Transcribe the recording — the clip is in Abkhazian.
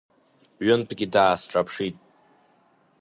Ҩынтәгьы даасҿаԥшит.